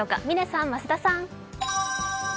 嶺さん、増田さん。